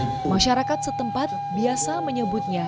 ini adalah masyarakat setempat biasa menyebutnya